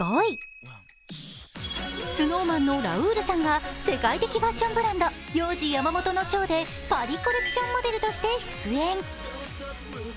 ＳｎｏｗＭａｎのラウールさんが世界的ファッションブランドヨウジヤマモトのショーでパリコレクションモデルとして出演。